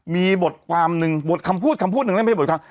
มีบทความหนึ่งบทคำพูดคำพูดหนึ่งนั่นไม่ใช่บทความ